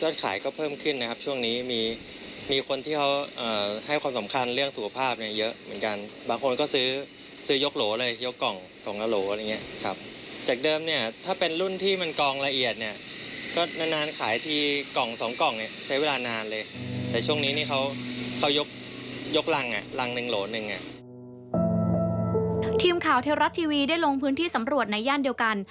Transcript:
ทีมข่าวเทวรัฐทีวีได้ลงพื้นที่สำรวจในย่านเดียวกัน